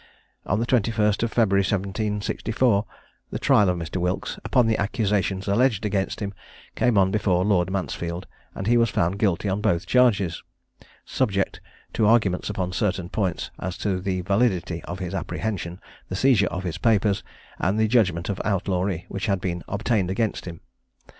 On the 21st of February 1764, the trial of Mr. Wilkes, upon the accusations alleged against him, came on before Lord Mansfield, and he was found guilty on both charges, subject to arguments upon certain points as to the validity of his apprehension, the seizure of his papers, and the judgment of outlawry which had been obtained against him.